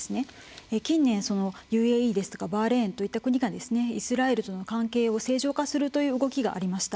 近年、ＵＡＥやバーレーンといった国がイスラエルとの関係を正常化するという動きがありました。